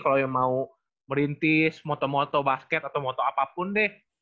kalau yang mau merintis moto moto basket atau moto apapun deh